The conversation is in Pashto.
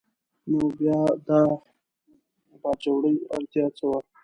نو بیا د باجوړي اړتیا څه وه؟